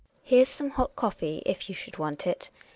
Here's some hot coffee, if you should want it.